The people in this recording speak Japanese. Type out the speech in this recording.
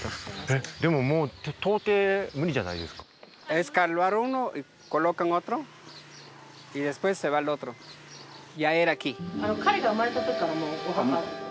えっでももう彼が生まれた時からもうお墓。